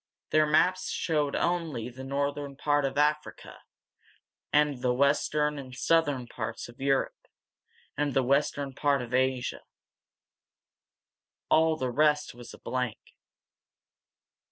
Their maps showed only the northern part of Africa, the western and southern parts of Europe, and the western part of Asia. All the rest was a blank.